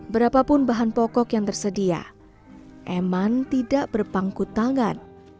berapapun bahan pokok yang tersedia eman tidak berpangku tangan